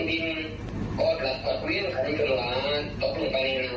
มีเงินสดอยู่ประวัง๓๐๐บาท